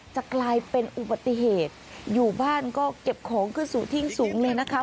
จะกลายเป็นอุบัติเหตุอยู่บ้านก็เก็บของขึ้นสู่ที่สูงเลยนะคะ